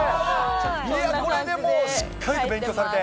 いや、これでもうしっかりと勉強されて。